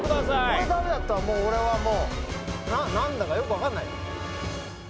これダメだったら俺はもうなんだかよくわかんない。